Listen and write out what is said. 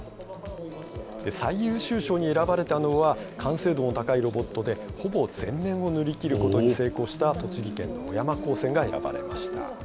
最優秀賞に選ばれたのは、完成度の高いロボットでほぼ全面を塗りきることに成功した栃木県の小山高専が選ばれました。